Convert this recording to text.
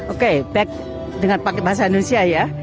oke back dengan paket bahasa indonesia ya